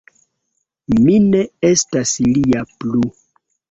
Mi ne estas lia plu.